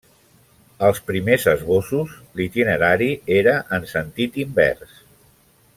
Als primers esbossos, l'itinerari era en sentit invers.